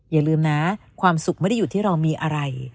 อย่าลืมนะความสุขไม่ได้อยู่ที่เรามีอะไร